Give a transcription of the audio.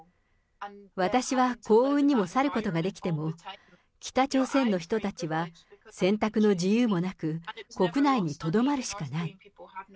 私は幸運にも去ることができても、北朝鮮の人たちは選択の自由もなく、国内にとどまるしかない。